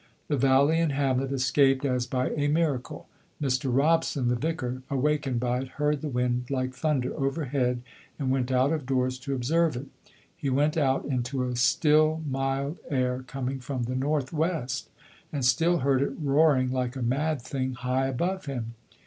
The valley and hamlet escaped as by a miracle. Mr. Robson, the vicar, awakened by it, heard the wind like thunder overhead and went out of doors to observe it. He went out into a still, mild air coming from the north west, and still heard it roaring like a mad thing high above him.